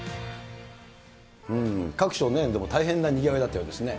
各所ね、でも大変なにぎわいだったようですね。